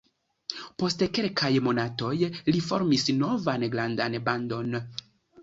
Post kelkaj monatoj li formis novan grandan bandon.